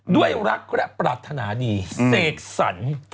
ด้วยรักและปรารถนาดีเสกสรร